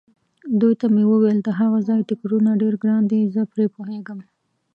دوی ته مې وویل: د هغه ځای ټکټونه ډېر ګران دي، زه پرې پوهېږم.